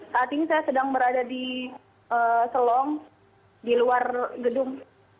saat ini saya sedang berada di selong di luar gedung